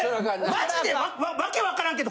マジでわけわからんけど。